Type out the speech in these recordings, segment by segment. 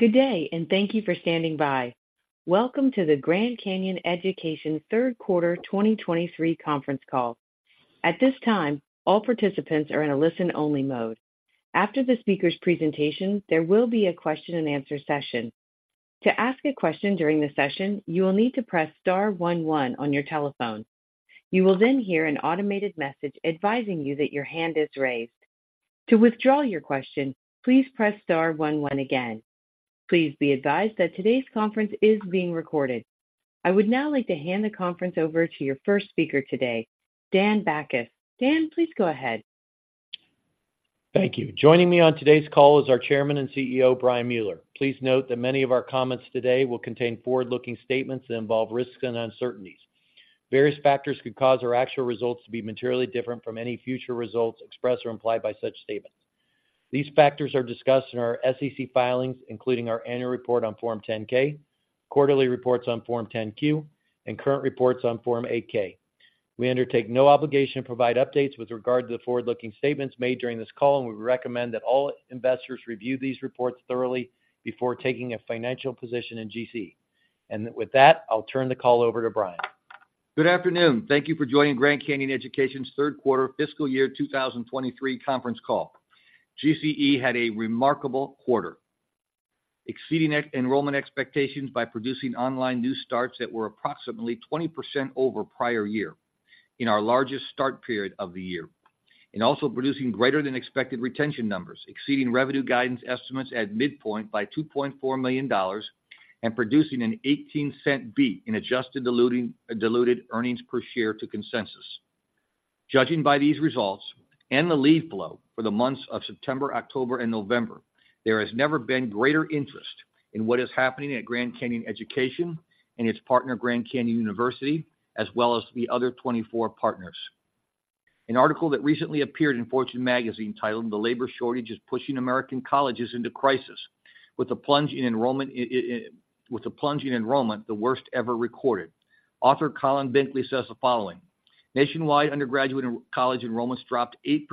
Good day, and thank you for standing by. Welcome to the Grand Canyon Education third quarter 2023 conference call. At this time, all participants are in a listen-only mode. After the speaker's presentation, there will be a question and answer session. To ask a question during the session, you will need to press star one one on your telephone. You will then hear an automated message advising you that your hand is raised. To withdraw your question, please press star one one again. Please be advised that today's conference is being recorded. I would now like to hand the conference over to your first speaker today, Dan Bachus. Dan, please go ahead. Thank you. Joining me on today's call is our Chairman and CEO, Brian Mueller. Please note that many of our comments today will contain forward-looking statements that involve risks and uncertainties. Various factors could cause our actual results to be materially different from any future results expressed or implied by such statements. These factors are discussed in our SEC filings, including our annual report on Form 10-K, quarterly reports on Form 10-Q, and current reports on Form 8-K. We undertake no obligation to provide updates with regard to the forward-looking statements made during this call, and we recommend that all investors review these reports thoroughly before taking a financial position in GC. With that, I'll turn the call over to Brian. Good afternoon. Thank you for joining Grand Canyon Education's third quarter fiscal year 2023 conference call. GCE had a remarkable quarter, exceeding enrollment expectations by producing online new starts that were approximately 20% over prior year, in our largest start period of the year. Also producing greater than expected retention numbers, exceeding revenue guidance estimates at midpoint by $2.4 million, and producing a $0.18 beat in adjusted diluted earnings per share to consensus. Judging by these results and the lead flow for the months of September, October, and November, there has never been greater interest in what is happening at Grand Canyon Education and its partner, Grand Canyon University, as well as the other 24 partners. An article that recently appeared in Fortune Magazine, titled The Labor Shortage Is Pushing American Colleges into Crisis, with a plunge in enrollment, the worst ever recorded. Author Colin Langan says the following: "Nationwide, undergraduate and college enrollments dropped 8%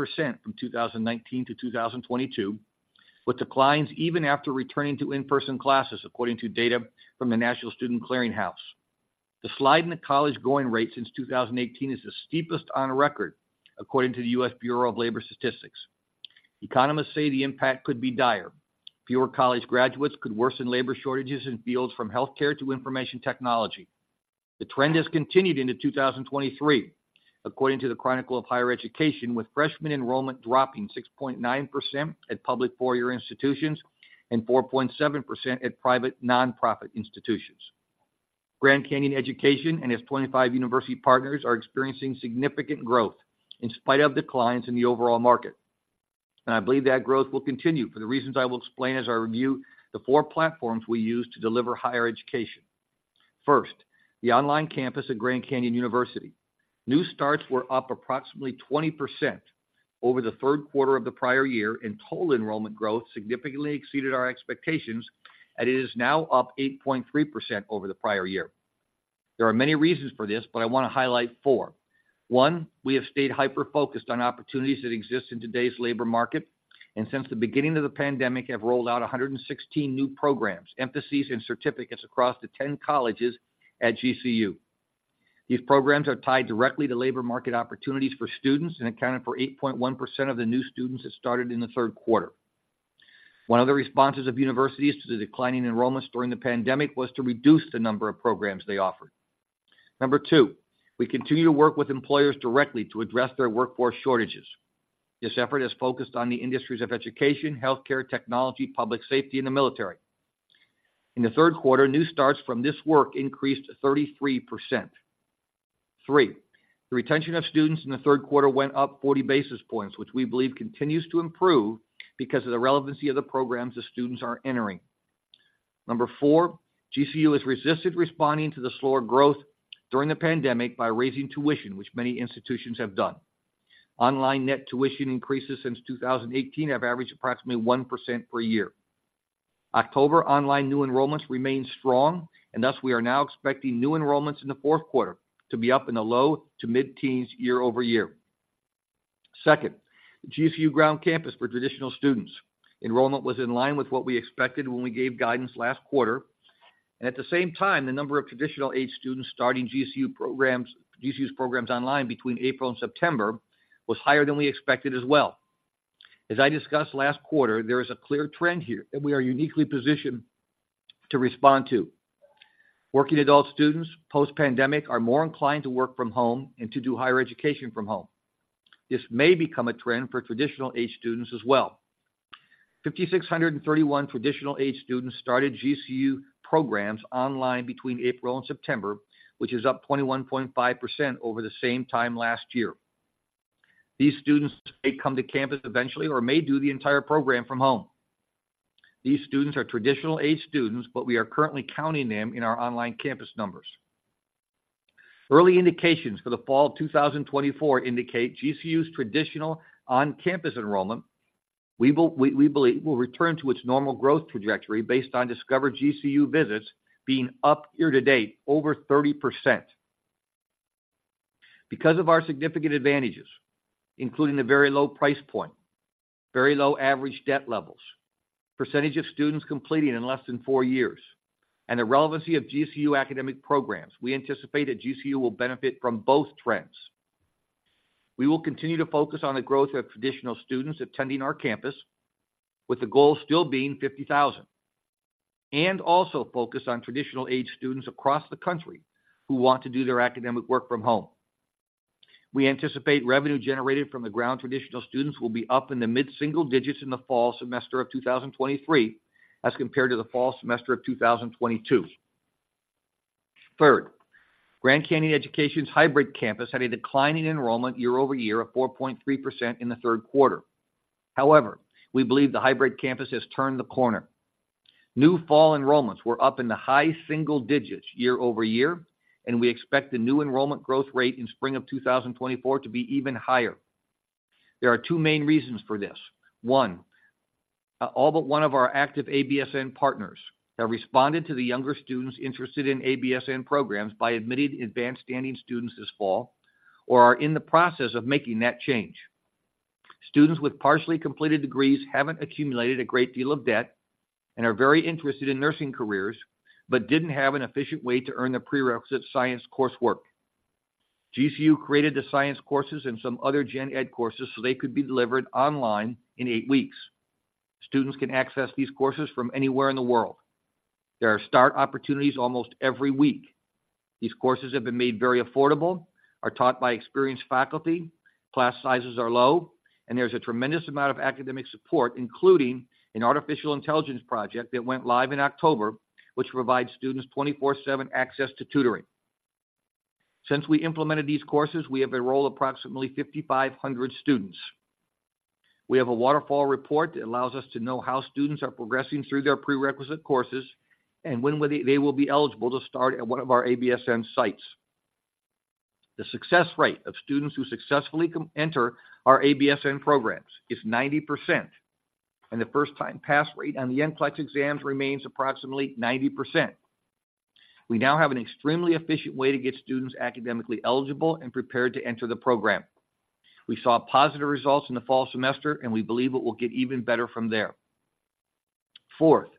from 2019 to 2022, with declines even after returning to in-person classes, according to data from the National Student Clearinghouse. The slide in the college-going rate since 2018 is the steepest on record, according to the U.S. Bureau of Labor Statistics. Economists say the impact could be dire. Fewer college graduates could worsen labor shortages in fields from healthcare to information technology." The trend has continued into 2023, according to the Chronicle of Higher Education, with freshman enrollment dropping 6.9% at public four-year institutions and 4.7% at private nonprofit institutions. Grand Canyon Education and its 25 university partners are experiencing significant growth in spite of declines in the overall market, and I believe that growth will continue for the reasons I will explain as I review the four platforms we use to deliver higher education. First, the online campus at Grand Canyon University. New starts were up approximately 20% over the third quarter of the prior year, and total enrollment growth significantly exceeded our expectations, and it is now up 8.3% over the prior year. There are many reasons for this, but I want to highlight four. One, we have stayed hyper-focused on opportunities that exist in today's labor market, and since the beginning of the pandemic, have rolled out 116 new programs, emphases, and certificates across the 10 colleges at GCU. These programs are tied directly to labor market opportunities for students and accounted for 8.1% of the new students that started in the third quarter. One of the responses of universities to the declining enrollments during the pandemic was to reduce the number of programs they offered. Number two, we continue to work with employers directly to address their workforce shortages. This effort is focused on the industries of education, healthcare, technology, public safety, and the military. In the third quarter, new starts from this work increased 33%. Three, the retention of students in the third quarter went up 40 basis points, which we believe continues to improve because of the relevancy of the programs the students are entering. Number four, GCU has resisted responding to the slower growth during the pandemic by raising tuition, which many institutions have done. Online net tuition increases since 2018 have averaged approximately 1% per year. October online new enrollments remain strong, and thus, we are now expecting new enrollments in the fourth quarter to be up in the low-to-mid-teens year-over-year. Second, GCU ground campus for traditional students. Enrollment was in line with what we expected when we gave guidance last quarter, and at the same time, the number of traditional-aged students starting GCU programs, GCU's programs online between April and September, was higher than we expected as well. As I discussed last quarter, there is a clear trend here that we are uniquely positioned to respond to. Working adult students, post-pandemic, are more inclined to work from home and to do higher education from home. This may become a trend for traditional-aged students as well. 5,631 traditional-aged students started GCU programs online between April and September, which is up 21.5% over the same time last year. These students may come to campus eventually or may do the entire program from home. These students are traditional-aged students, but we are currently counting them in our online campus numbers. Early indications for the fall of 2024 indicate GCU's traditional on-campus enrollment, we believe, will return to its normal growth trajectory based on Discover GCU visits being up year to date over 30%.... Because of our significant advantages, including the very low price point, very low average debt levels, percentage of students completing in less than four years, and the relevancy of GCU academic programs, we anticipate that GCU will benefit from both trends. We will continue to focus on the growth of traditional students attending our campus, with the goal still being 50,000, and also focus on traditional age students across the country who want to do their academic work from home. We anticipate revenue generated from the ground traditional students will be up in the mid-single digits in the fall semester of 2023, as compared to the fall semester of 2022. Third, Grand Canyon Education's hybrid campus had a declining enrollment year-over-year of 4.3% in the third quarter. However, we believe the hybrid campus has turned the corner. New fall enrollments were up in the high single digits year-over-year, and we expect the new enrollment growth rate in spring of 2024 to be even higher. There are two main reasons for this. One, all but one of our active ABSN partners have responded to the younger students interested in ABSN programs by admitting advanced-standing students this fall or are in the process of making that change. Students with partially completed degrees haven't accumulated a great deal of debt and are very interested in nursing careers, but didn't have an efficient way to earn the prerequisite science coursework. GCU created the science courses and some other gen-ed courses so they could be delivered online in eight weeks. Students can access these courses from anywhere in the world. There are start opportunities almost every week. These courses have been made very affordable, are taught by experienced faculty, class sizes are low, and there's a tremendous amount of academic support, including an artificial intelligence project that went live in October, which provides students 24/7 access to tutoring. Since we implemented these courses, we have enrolled approximately 5,500 students. We have a waterfall report that allows us to know how students are progressing through their prerequisite courses and when they will be eligible to start at one of our ABSN sites. The success rate of students who successfully enter our ABSN programs is 90%, and the first-time pass rate on the NCLEX exams remains approximately 90%. We now have an extremely efficient way to get students academically eligible and prepared to enter the program. We saw positive results in the fall semester, and we believe it will get even better from there. Fourth,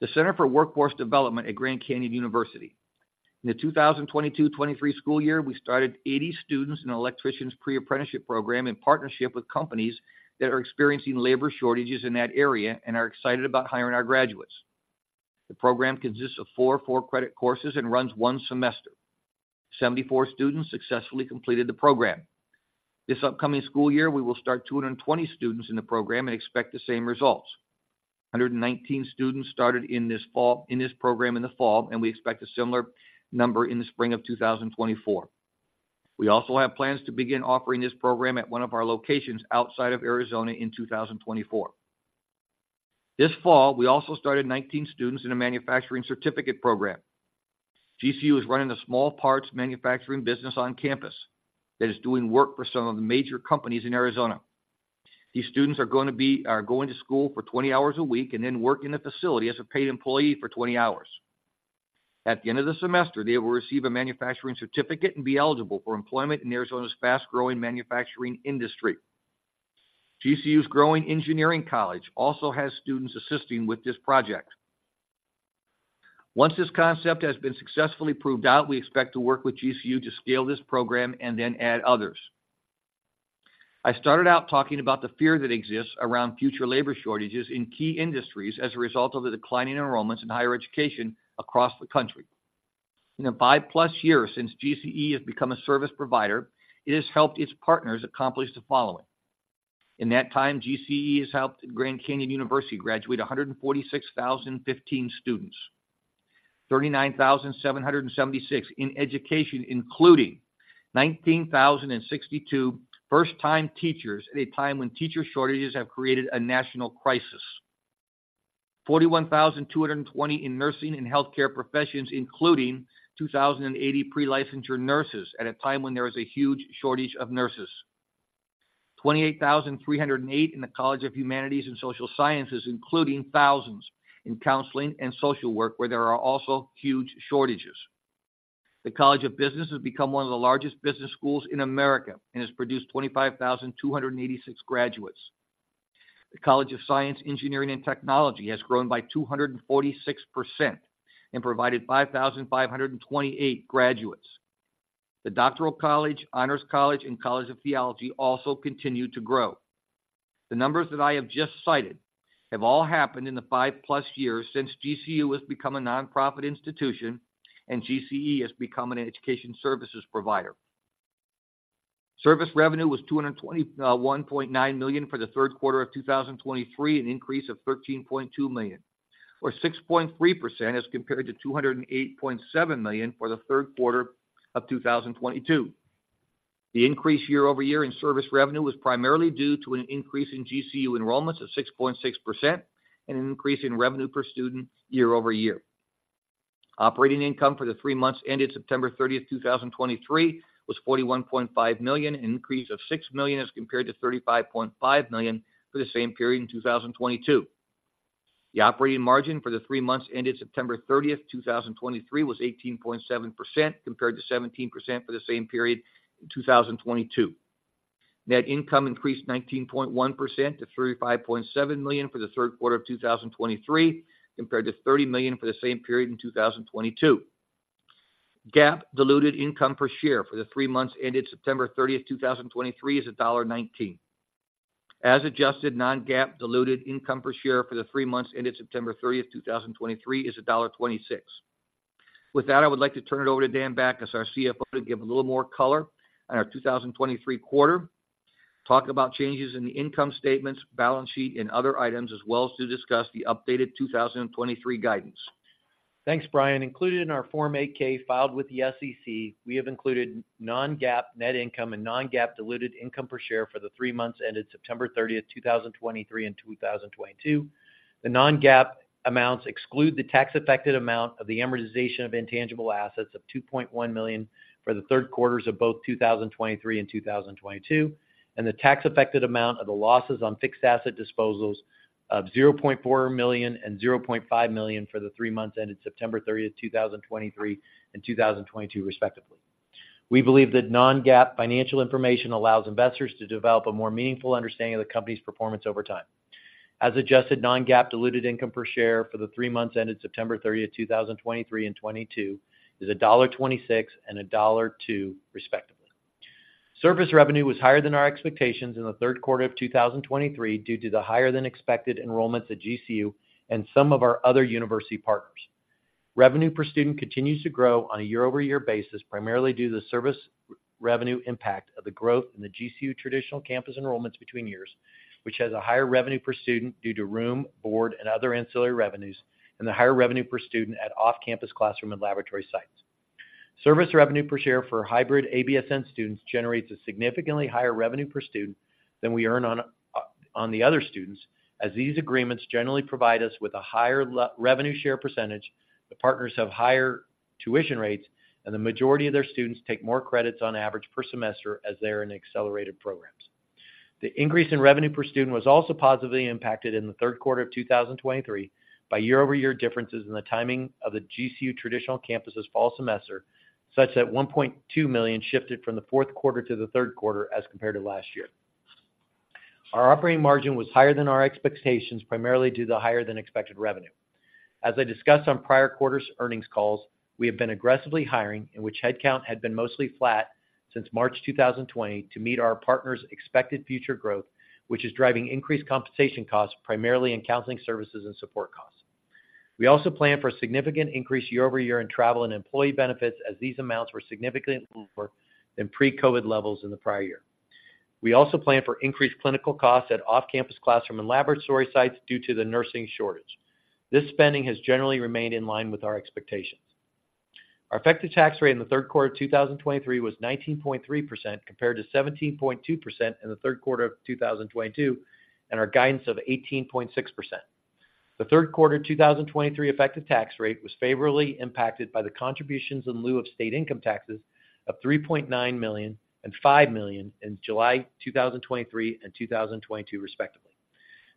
the Center for Workforce Development at Grand Canyon University. In the 2022-23 school year, we started 80 students in an electrician's pre-apprenticeship program in partnership with companies that are experiencing labor shortages in that area and are excited about hiring our graduates. The program consists of four four-credit courses and runs one semester. 74 students successfully completed the program. This upcoming school year, we will start 220 students in the program and expect the same results. 119 students started in this program in the fall, and we expect a similar number in the spring of 2024. We also have plans to begin offering this program at one of our locations outside of Arizona in 2024. This fall, we also started 19 students in a manufacturing certificate program. GCU is running a small parts manufacturing business on campus that is doing work for some of the major companies in Arizona. These students are going to school for 20 hours a week and then work in the facility as a paid employee for 20 hours. At the end of the semester, they will receive a manufacturing certificate and be eligible for employment in Arizona's fast-growing manufacturing industry. GCU's growing engineering college also has students assisting with this project. Once this concept has been successfully proved out, we expect to work with GCU to scale this program and then add others. I started out talking about the fear that exists around future labor shortages in key industries as a result of the declining enrollments in higher education across the country. In the 5+ years since GCE has become a service provider, it has helped its partners accomplish the following: In that time, GCE has helped Grand Canyon University graduate 146,015 students, 39,776 in education, including 19,062 first-time teachers at a time when teacher shortages have created a national crisis. 41,220 in nursing and healthcare professions, including 2,080 pre-licensure nurses at a time when there is a huge shortage of nurses. 28,308 in the College of Humanities and Social Sciences, including thousands in counseling and social work, where there are also huge shortages. The College of Business has become one of the largest business schools in America and has produced 25,286 graduates. The College of Science, Engineering, and Technology has grown by 246% and provided 5,528 graduates. The Doctoral College, Honors College, and College of Theology also continue to grow. The numbers that I have just cited have all happened in the 5+ years since GCU has become a nonprofit institution and GCE has become an education services provider. Service revenue was $221.9 million for the third quarter of 2023, an increase of $13.2 million, or 6.3% as compared to $208.7 million for the third quarter of 2022. The increase year-over-year in service revenue was primarily due to an increase in GCU enrollments of 6.6% and an increase in revenue per student year-over-year. Operating income for the three months ended September 30, 2023, was $41.5 million, an increase of $6 million as compared to $35.5 million for the same period in 2022.... The operating margin for the three months ended September 30, 2023, was 18.7%, compared to 17% for the same period in 2022. Net income increased 19.1% to $35.7 million for the third quarter of 2023, compared to $30 million for the same period in 2022. GAAP diluted income per share for the three months ended September 30, 2023, is $1.19. As adjusted, non-GAAP diluted income per share for the three months ended September 30, 2023, is $1.26. With that, I would like to turn it over to Dan Bachus, our CFO, to give a little more color on our 2023 quarter, talk about changes in the income statements, balance sheet, and other items, as well as to discuss the updated 2023 guidance. Thanks, Brian. Included in our Form 8-K filed with the SEC, we have included non-GAAP net income and non-GAAP diluted income per share for the three months ended September 30th, 2023 and 2022. The non-GAAP amounts exclude the tax-affected amount of the amortization of intangible assets of $2.1 million for the third quarters of both 2023 and 2022, and the tax-affected amount of the losses on fixed asset disposals of $0.4 million and $0.5 million for the three months ended September 30th, 2023 and 2022, respectively. We believe that non-GAAP financial information allows investors to develop a more meaningful understanding of the company's performance over time. As adjusted, non-GAAP diluted income per share for the three months ended September 30, 2023 and 2022, is $1.26 and $1.02, respectively. Service revenue was higher than our expectations in the third quarter of 2023, due to the higher-than-expected enrollments at GCU and some of our other university partners. Revenue per student continues to grow on a year-over-year basis, primarily due to the service revenue impact of the growth in the GCU traditional campus enrollments between years, which has a higher revenue per student due to room, board, and other ancillary revenues, and the higher revenue per student at off-campus classroom and laboratory sites. Service revenue per share for hybrid ABSN students generates a significantly higher revenue per student than we earn on, on the other students, as these agreements generally provide us with a higher revenue share percentage, the partners have higher tuition rates, and the majority of their students take more credits on average per semester as they are in accelerated programs. The increase in revenue per student was also positively impacted in the third quarter of 2023 by year-over-year differences in the timing of the GCU traditional campus's fall semester, such that $1.2 million shifted from the fourth quarter to the third quarter as compared to last year. Our operating margin was higher than our expectations, primarily due to the higher-than-expected revenue. As I discussed on prior quarters' earnings calls, we have been aggressively hiring, in which headcount had been mostly flat since March 2020, to meet our partners' expected future growth, which is driving increased compensation costs, primarily in counseling services and support costs. We also plan for a significant increase year-over-year in travel and employee benefits, as these amounts were significantly lower than pre-COVID levels in the prior year. We also plan for increased clinical costs at off-campus classroom and laboratory sites due to the nursing shortage. This spending has generally remained in line with our expectations. Our effective tax rate in the third quarter of 2023 was 19.3%, compared to 17.2% in the third quarter of 2022, and our guidance of 18.6%. The third quarter 2023 effective tax rate was favorably impacted by the contributions in lieu of state income taxes of $3.9 million and $5 million in July 2023 and 2022, respectively.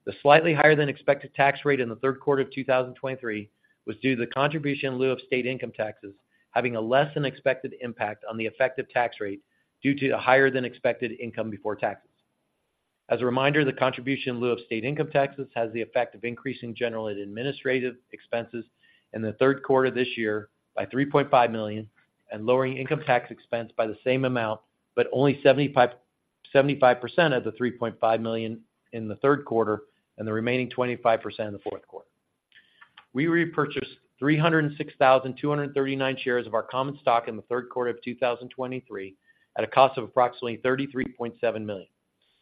The slightly higher-than-expected tax rate in the third quarter of 2023 was due to the contribution in lieu of state income taxes, having a less-than-expected impact on the effective tax rate due to a higher-than-expected income before taxes. As a reminder, the contribution in lieu of state income taxes has the effect of increasing general and administrative expenses in the third quarter this year by $3.5 million, and lowering income tax expense by the same amount, but only 75% of the $3.5 million in the third quarter, and the remaining 25% in the fourth quarter. We repurchased 306,239 shares of our common stock in the third quarter of 2023, at a cost of approximately $33.7 million,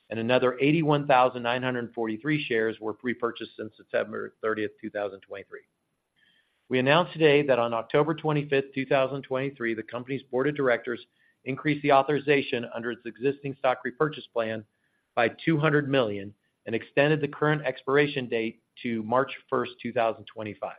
and another 81,943 shares were repurchased since September 30, 2023. We announce today that on October 25, 2023, the company's board of directors increased the authorization under its existing stock repurchase plan by $200 million, and extended the current expiration date to March 1, 2025.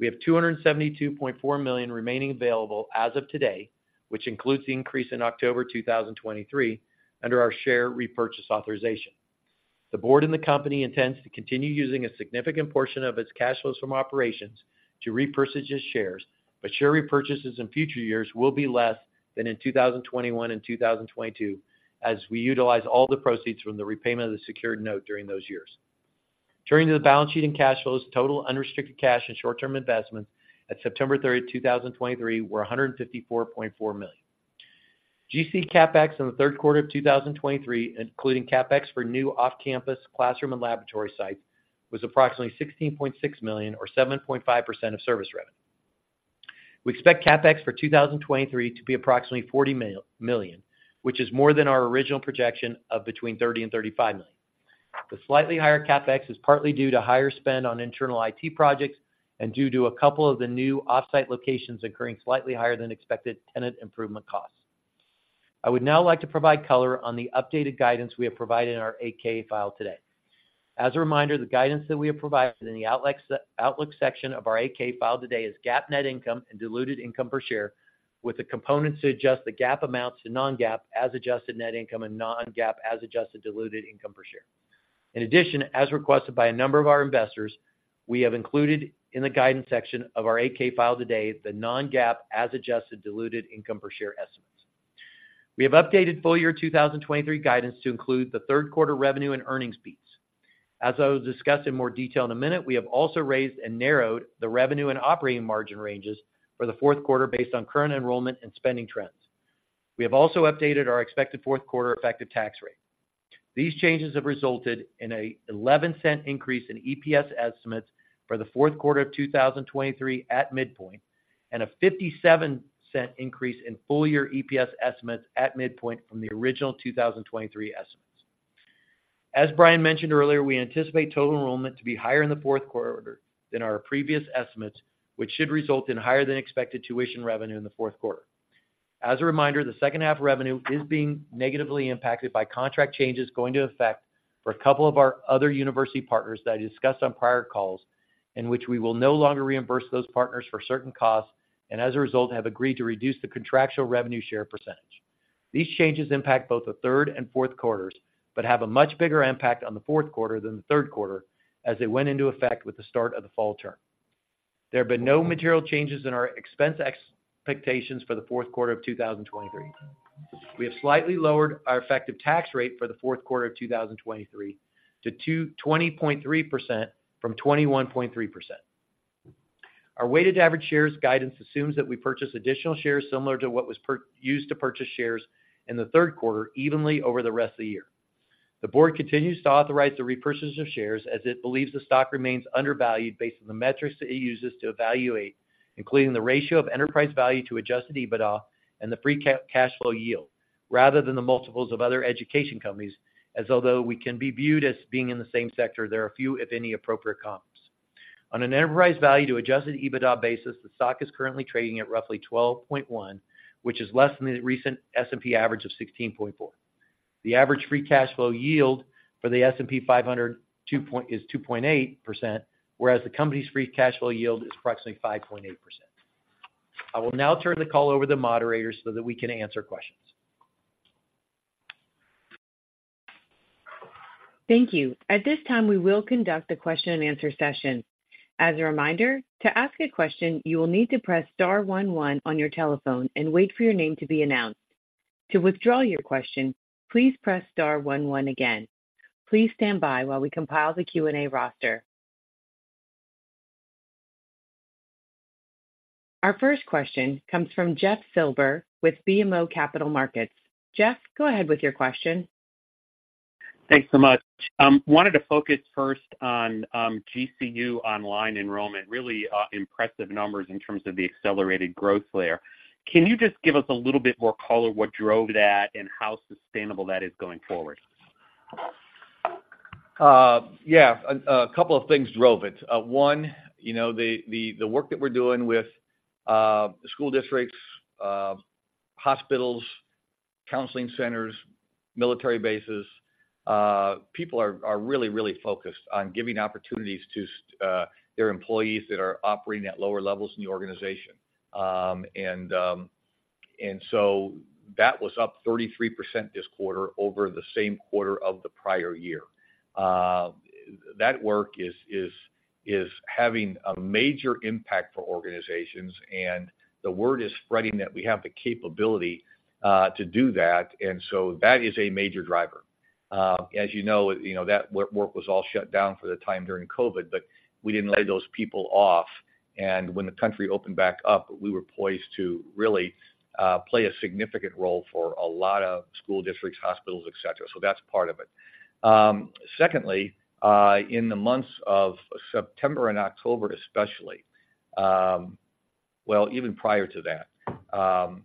We have $272.4 million remaining available as of today, which includes the increase in October 2023, under our share repurchase authorization. The board and the company intends to continue using a significant portion of its cash flows from operations to repurchase its shares, but share repurchases in future years will be less than in 2021 and 2022, as we utilize all the proceeds from the repayment of the secured note during those years. Turning to the balance sheet and cash flows, total unrestricted cash and short-term investments at September 30, 2023, were $154.4 million. GC CapEx in the third quarter of 2023, including CapEx for new off-campus classroom and laboratory sites, was approximately $16.6 million, or 7.5% of service revenue. We expect CapEx for 2023 to be approximately $40 million, which is more than our original projection of between $30 million and $35 million. The slightly higher CapEx is partly due to higher spend on internal IT projects and due to a couple of the new off-site locations incurring slightly higher than expected tenant improvement costs. I would now like to provide color on the updated guidance we have provided in our 8-K file today. As a reminder, the guidance that we have provided in the outlook section of our 8-K file today is GAAP net income and diluted income per share.... with the components to adjust the GAAP amounts to non-GAAP as adjusted net income and non-GAAP as adjusted diluted income per share. In addition, as requested by a number of our investors, we have included in the guidance section of our 8-K filed today, the non-GAAP as adjusted diluted income per share estimates. We have updated full year 2023 guidance to include the third quarter revenue and earnings beats. As I will discuss in more detail in a minute, we have also raised and narrowed the revenue and operating margin ranges for the fourth quarter based on current enrollment and spending trends. We have also updated our expected fourth quarter effective tax rate. These changes have resulted in an $0.11 increase in EPS estimates for the fourth quarter of 2023 at midpoint, and a $0.57 increase in full-year EPS estimates at midpoint from the original 2023 estimates. As Brian mentioned earlier, we anticipate total enrollment to be higher in the fourth quarter than our previous estimates, which should result in higher than expected tuition revenue in the fourth quarter. As a reminder, the second half revenue is being negatively impacted by contract changes going into effect for a couple of our other university partners that I discussed on prior calls, in which we will no longer reimburse those partners for certain costs, and as a result, have agreed to reduce the contractual revenue share percentage. These changes impact both the third and fourth quarters, but have a much bigger impact on the fourth quarter than the third quarter as they went into effect with the start of the fall term. There have been no material changes in our expense expectations for the fourth quarter of 2023. We have slightly lowered our effective tax rate for the fourth quarter of 2023 to 22.3% from 21.3%. Our weighted average shares guidance assumes that we purchase additional shares similar to what was used to purchase shares in the third quarter, evenly over the rest of the year. The board continues to authorize the repurchase of shares as it believes the stock remains undervalued based on the metrics that it uses to evaluate, including the ratio of enterprise value to adjusted EBITDA and the free cash flow yield, rather than the multiples of other education companies, as although we can be viewed as being in the same sector, there are few, if any, appropriate comps. On an enterprise value to adjusted EBITDA basis, the stock is currently trading at roughly 12.1, which is less than the recent S&P average of 16.4. The average free cash flow yield for the S&P 500 is 2.8%, whereas the company's free cash flow yield is approximately 5.8%. I will now turn the call over to the moderators so that we can answer questions. Thank you. At this time, we will conduct a question and answer session. As a reminder, to ask a question, you will need to press star one one on your telephone and wait for your name to be announced. To withdraw your question, please press star one one again. Please stand by while we compile the Q&A roster. Our first question comes from Jeff Silber with BMO Capital Markets. Jeff, go ahead with your question. Thanks so much. Wanted to focus first on GCU online enrollment, really impressive numbers in terms of the accelerated growth there. Can you just give us a little bit more color, what drove that and how sustainable that is going forward? Yeah, a couple of things drove it. One, you know, the work that we're doing with school districts, hospitals, counseling centers, military bases, people are really focused on giving opportunities to their employees that are operating at lower levels in the organization. And so that was up 33% this quarter over the same quarter of the prior year. That work is having a major impact for organizations, and the word is spreading that we have the capability to do that, and so that is a major driver. As you know, you know, that work was all shut down for the time during COVID, but we didn't lay those people off, and when the country opened back up, we were poised to really play a significant role for a lot of school districts, hospitals, etc. So that's part of it. Secondly, in the months of September and October, especially, well, even prior to that,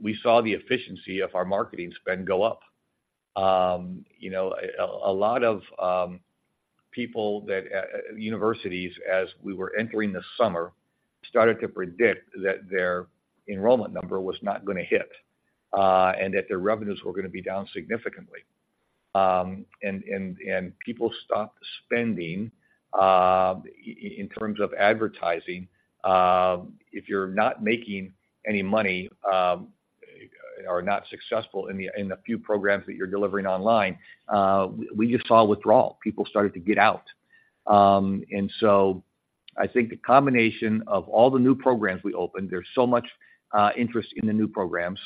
we saw the efficiency of our marketing spend go up. You know, a lot of people that universities, as we were entering the summer, started to predict that their enrollment number was not gonna hit, and that their revenues were gonna be down significantly. People stopped spending in terms of advertising. If you're not making any money, or are not successful in the few programs that you're delivering online, we just saw withdrawal. People started to get out. And so I think the combination of all the new programs we opened, there's so much interest in the new programs,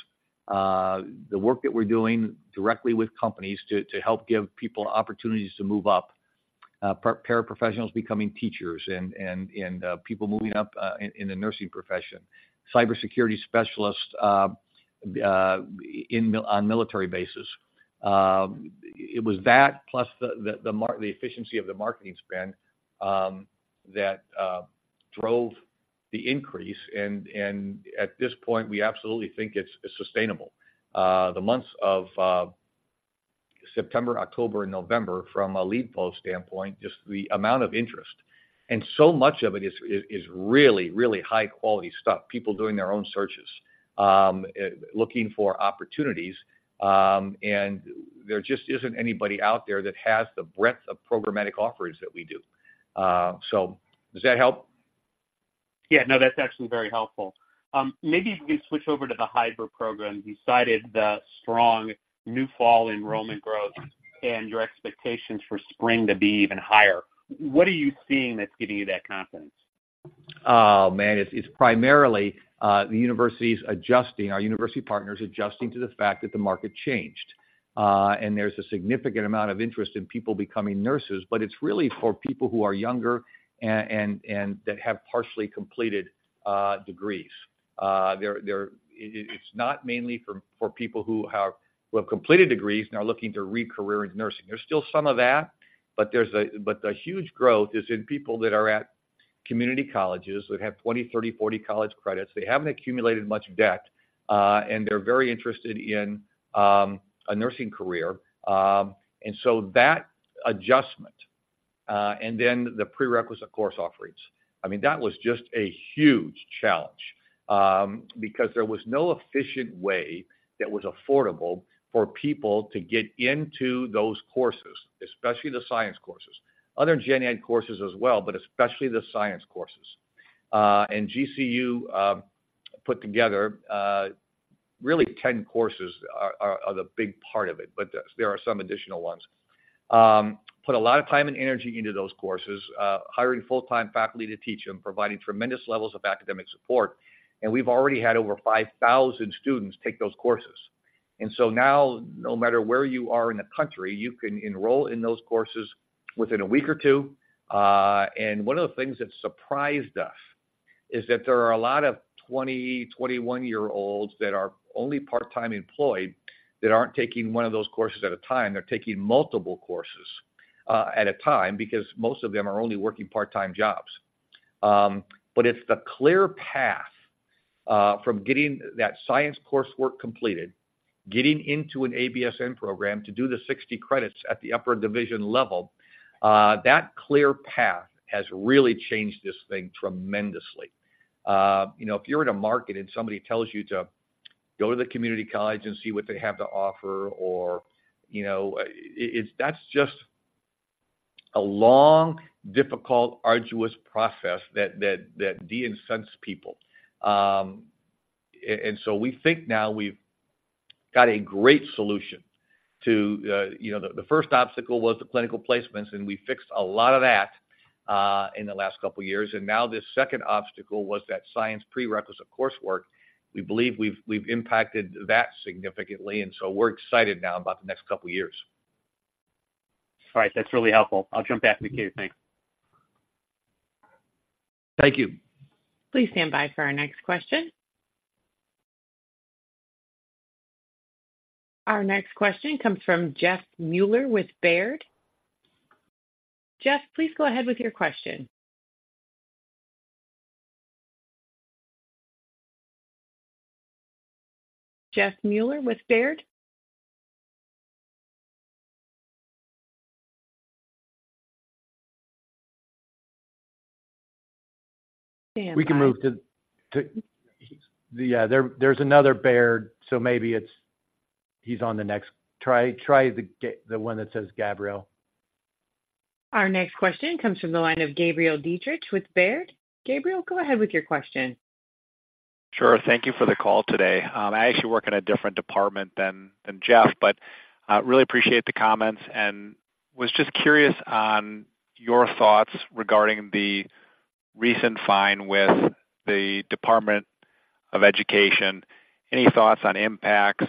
the work that we're doing directly with companies to help give people opportunities to move up, paraprofessionals becoming teachers and people moving up in the nursing profession, cybersecurity specialists on military bases. It was that, plus the efficiency of the marketing spend, that drove the increase, and at this point, we absolutely think it's sustainable. The months of September, October, and November, from a lead flow standpoint, just the amount of interest, and so much of it is really high-quality stuff, people doing their own searches, looking for opportunities, and there just isn't anybody out there that has the breadth of programmatic offerings that we do. So, does that help? Yeah, no, that's actually very helpful. Maybe if we switch over to the hybrid program. You cited the strong new fall enrollment growth and your expectations for spring to be even higher. What are you seeing that's giving you that confidence? Oh, man, it's primarily the universities adjusting, our university partners adjusting to the fact that the market changed, and there's a significant amount of interest in people becoming nurses, but it's really for people who are younger and that have partially completed degrees. It's not mainly for people who have completed degrees and are looking to re-career into nursing. There's still some of that, but the huge growth is in people that are at community colleges, who have 20, 30, 40 college credits. They haven't accumulated much debt, and they're very interested in a nursing career. And so that adjustment, and then the prerequisite course offerings, I mean, that was just a huge challenge, because there was no efficient way that was affordable for people to get into those courses, especially the science courses. Other gen ed courses as well, but especially the science courses. And GCU put together, really, 10 courses are the big part of it, but there are some additional ones. Put a lot of time and energy into those courses, hiring full-time faculty to teach them, providing tremendous levels of academic support, and we've already had over 5,000 students take those courses. And so now, no matter where you are in the country, you can enroll in those courses within a week or two. And one of the things that surprised us is that there are a lot of 20- and 21-year-olds that are only part-time employed, that aren't taking one of those courses at a time. They're taking multiple courses at a time because most of them are only working part-time jobs. But it's the clear path from getting that science coursework completed, getting into an ABSN program to do the 60 credits at the upper division level. That clear path has really changed this thing tremendously. You know, if you're in a market and somebody tells you to go to the community college and see what they have to offer or, you know, it's... That's just a long, difficult, arduous process that disincentivizes people. And so we think now we've got a great solution to, you know, the first obstacle was the clinical placements, and we fixed a lot of that in the last couple of years, and now this second obstacle was that science prerequisite coursework. We believe we've impacted that significantly, and so we're excited now about the next couple of years. All right. That's really helpful. I'll jump back to you. Thanks. Thank you. Please stand by for our next question. Our next question comes from Jeffrey Meuler with Baird. Jeff, please go ahead with your question. Jeffrey Meuler with Baird? Stand by. We can move to yeah, there. There's another Baird, so maybe it's... He's on the next. Try the one that says Gabriel. Our next question comes from the line of Gabriel Diederich with Baird. Gabriel, go ahead with your question. Sure. Thank you for the call today. I actually work in a different department than Jeff, but really appreciate the comments and was just curious on your thoughts regarding the recent fine with the Department of Education. Any thoughts on impacts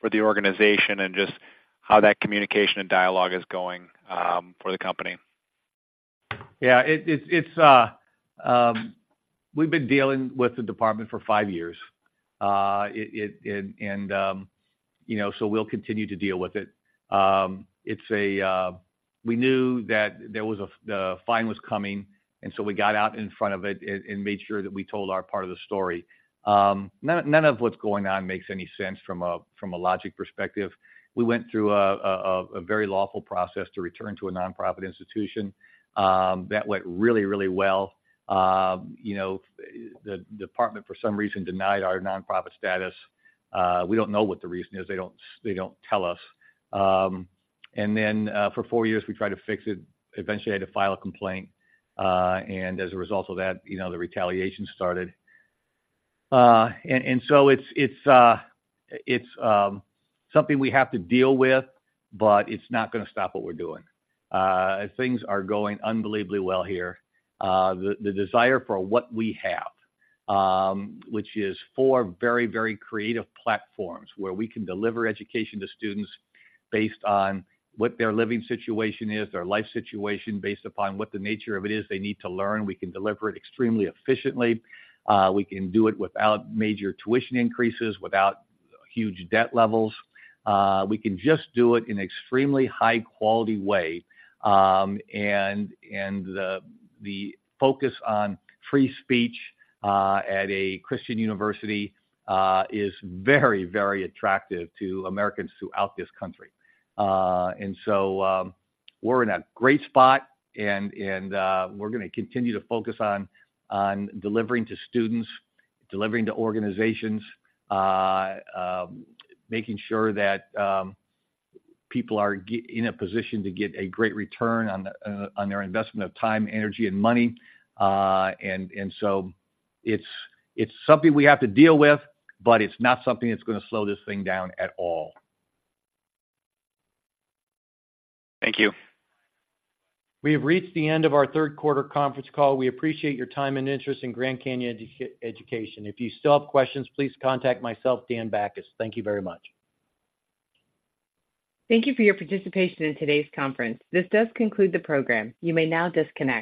for the organization and just how that communication and dialogue is going for the company? Yeah, it's, it's, we've been dealing with the department for five years. It, it, and, you know, so we'll continue to deal with it. It's a... We knew that there was a, the fine was coming, and so we got out in front of it and made sure that we told our part of the story. None, none of what's going on makes any sense from a, from a logic perspective. We went through a very lawful process to return to a nonprofit institution, that went really, really well. You know, the department, for some reason, denied our nonprofit status. We don't know what the reason is. They don't, they don't tell us. And then, for four years, we tried to fix it. Eventually, I had to file a complaint, and as a result of that, you know, the retaliation started. And so it's something we have to deal with, but it's not gonna stop what we're doing. Things are going unbelievably well here. The desire for what we have, which is four very, very creative platforms where we can deliver education to students based on what their living situation is, their life situation, based upon what the nature of it is they need to learn. We can deliver it extremely efficiently. We can do it without major tuition increases, without huge debt levels. We can just do it in an extremely high-quality way. And the focus on free speech at a Christian university is very, very attractive to Americans throughout this country. And so, we're in a great spot, and we're gonna continue to focus on delivering to students, delivering to organizations, making sure that people are in a position to get a great return on their investment of time, energy, and money. And so it's something we have to deal with, but it's not something that's gonna slow this thing down at all. Thank you. We have reached the end of our third quarter conference call. We appreciate your time and interest in Grand Canyon Education. If you still have questions, please contact myself, Dan Bachus. Thank you very much. Thank you for your participation in today's conference. This does conclude the program. You may now disconnect.